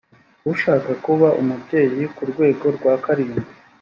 ushaka kuba umubyeyi ku rwego rwa karindwi